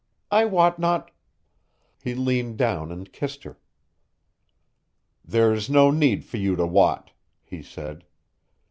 I wot not " He leaned down and kissed her. "There's no need for you to wot," he said.